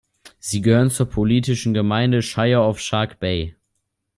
Sie gehört zur politischen Gemeinde Shire of Shark Bay.